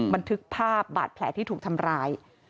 บันทึกภาพบาดแผลที่ถูกทำร้าย